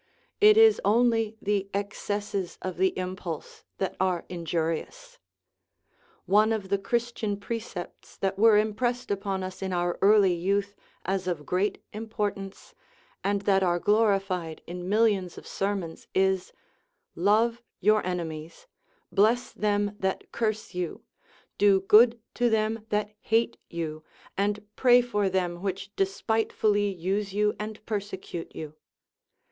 It is only the excesses of the impulse that are injurious. One of the Christian precepts that were impressed upon us in our early youth as of great impor tance, and that are glorified in millions of sermons, is :" Love your enemies, bless them that curse you, do good to them that hate you, and pray for them which despitefully use you and persecute you."